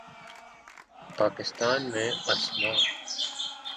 پاکستان میں اسما